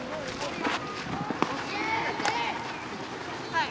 はい。